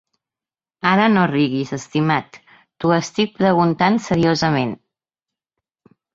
Ara no riguis, estimat, t'ho estic preguntat seriosament.